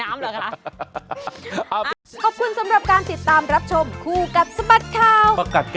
ไม่อยู่น้ำเหรอคะ